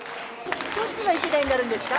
どっちが１レーンになるんですか？